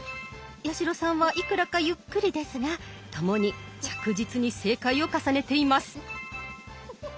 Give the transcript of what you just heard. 八代さんはいくらかゆっくりですが共に着実に正解を重ねています。